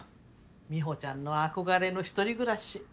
美帆ちゃんの憧れの一人暮らし。